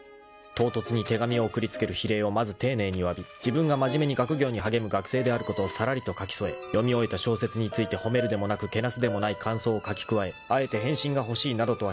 ［唐突に手紙を送りつける非礼をまず丁寧にわび自分がまじめに学業に励む学生であることをさらりと書き添え読み終えた小説について褒めるでもなくけなすでもない感想を書き加えあえて返信が欲しいなどとは一言も書かなかった］